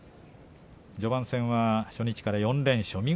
序盤は初日から４連勝